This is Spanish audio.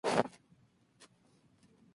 Su hija Lisa es productora de tv.